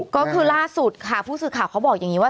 ก็คือล่าสุดค่ะผู้สื่อข่าวเขาบอกอย่างนี้ว่า